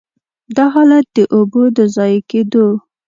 دا حالت د اوبو د ضایع کېدو.